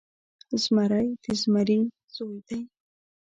زمری د زمري زوی دی.